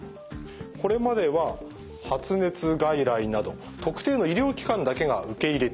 これまでは発熱外来など特定の医療機関だけが受け入れてきました。